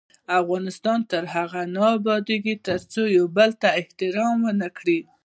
افغانستان تر هغو نه ابادیږي، ترڅو د یو بل احترام ونه کړو.